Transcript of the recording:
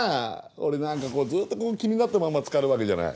俺何かずっと気になったままつかるわけじゃない。